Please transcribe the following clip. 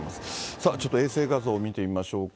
さあ、ちょっと衛星画像見てみましょうか。